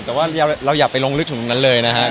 แต่ว่าเราอยากได้ไปลงลึกทั่วเมืองทั้งนั้นเลยนะฮะ